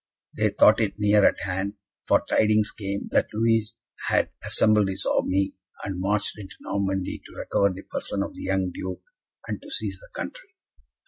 They thought it near at hand, for tidings came that Louis had assembled his army, and marched into Normandy to recover the person of the young Duke, and to seize the country.